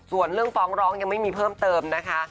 ส่วนเรื่องฟ้องร้องยังไม่มีเพิ่มเติมนะคะ